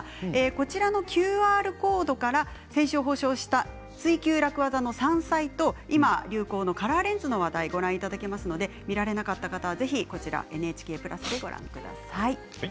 こちらのＱＲコードから先週放送した「ツイＱ楽ワザ」の山菜と今、流行のカラーレンズの話題がご覧いただけますので見られなかった方はぜひＮＨＫプラスでご覧ください。